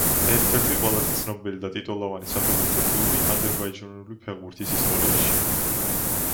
ერთ-ერთი ყველაზე ცნობილი და ტიტულოვანი საფეხბურთო კლუბი აზერბაიჯანული ფეხბურთის ისტორიაში.